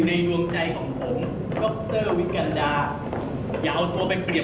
ฉันจะตกพวกผู้หญิงร้ายอยากอายคนนั้น